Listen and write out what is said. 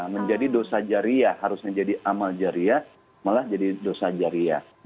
menjadi dosa jariyah harusnya jadi amal jariyah malah jadi dosa jariyah